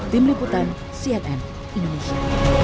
tim liputan cnn indonesia